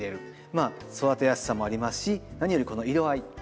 まあ育てやすさもありますし何よりこの色合い。